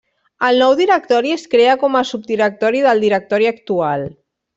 El nou directori es crea com a subdirectori del directori actual.